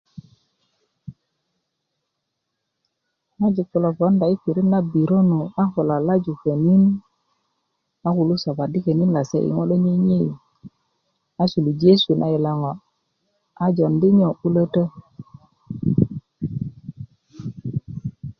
ŋojik kulo ponda i pirit na biryö nu a ko lalaju konin a kulu sopadi i ŋo lo nyenyei kata a suluji yesu na i lo ŋo a jondi 'bulötöt